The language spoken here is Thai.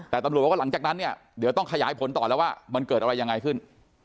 แต่ตำรวจบอกว่าหลังจากนั้นเนี่ยเดี๋ยวต้องขยายผลต่อแล้วว่ามันเกิดอะไรยังไงขึ้น